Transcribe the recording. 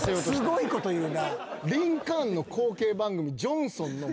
すごいこと言うな。